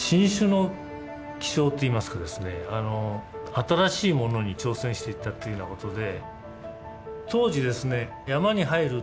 新しいものに挑戦していったというようなことで。